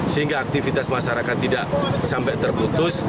sehingga aktivitas masyarakat tidak sampai terputus